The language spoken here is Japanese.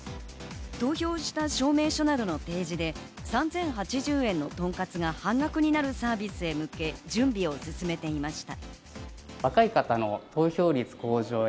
投票した証明書などの提示で３０８０円のとんかつが半額になるサービスへ向け準備を進めていました。